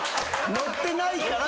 ノってないから。